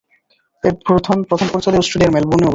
এর প্রধান কার্যালয় অস্ট্রেলিয়ার মেলবোর্নে অবস্থিত।